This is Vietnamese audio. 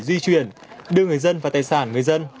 di chuyển đưa người dân và tài sản người dân